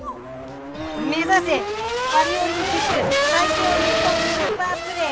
目指せ、パリオオリンピック最強ニッポンスーパープレー。